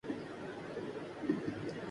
زیادہ کامیاب کریں